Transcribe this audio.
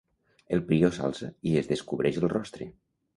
El prior s'alça i es descobreix el rostre.